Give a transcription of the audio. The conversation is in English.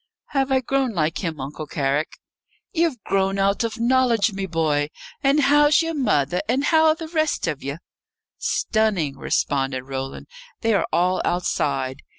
"Have I grown like him, Uncle Carrick?" "Ye've grown out of knowledge, me boy. And how's ye're mother, and how are the rest of ye?" "Stunning," responded Roland. "They are all outside.